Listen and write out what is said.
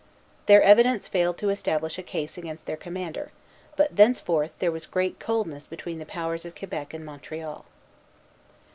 Their evidence failed to establish a case against their commander; but thenceforth there was great coldness between the powers of Quebec and Montreal.